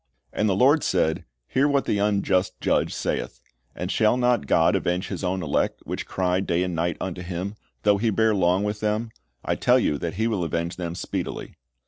"And the Lord said. Hear what the unjust judge saith. And shall not God avenge His own elect, which cry day and night unto Him, though He bear long with them ? I tell you that He will avenge them speedily."